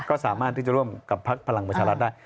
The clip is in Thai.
ก็สามารถที่จะร่วมกับพักพลังประชารัฐได้